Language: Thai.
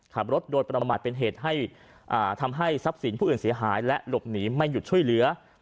ขับรถโดยประมาทเป็นเหตุให้ทำให้ทรัพย์สินผู้อื่นเสียหายและหลบหนีไม่หยุดช่วยเหลือ